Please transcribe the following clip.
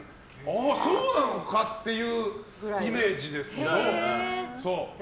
そうなのかっていうイメージですけど。